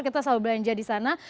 kita selalu belanja di sana